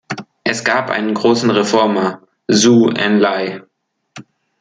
Es gab einen großen Reformer, Zou Enlai.